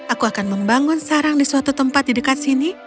aku akan membangun sarang di suatu tempat di dekat sini